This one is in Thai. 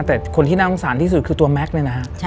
แต่คนที่น่าสงสารที่สุดคือตัวแม็กซ์เนี่ยนะฮะ